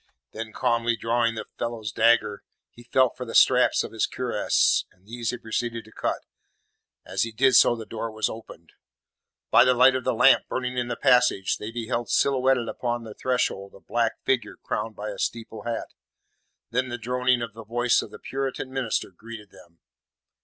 Then calmly drawing the fellow's dagger, he felt for the straps of his cuirass, and these he proceeded to cut. As he did so the door was opened. By the light of the lamp burning in the passage they beheld silhouetted upon the threshold a black figure crowned by a steeple hat. Then the droning voice of the Puritan minister greeted them.